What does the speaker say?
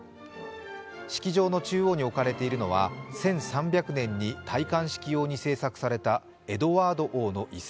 式場の中央に置かれているのは１３００年に戴冠式用に製作されたエドワード王の椅子。